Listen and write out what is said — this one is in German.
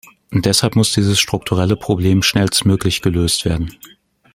Deshalb muss dieses strukturelle Problem schnellstmöglich gelöst werden.